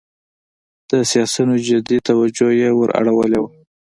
د سیاسینو جدي توجه یې وراړولې وه.